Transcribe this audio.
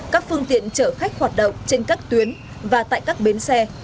các phương tiện chở khách hoạt động trên các tuyến và tại các bến xe